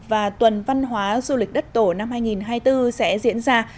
và tuần văn hóa du lịch đất tổ năm hai nghìn hai mươi bốn sẽ diễn ra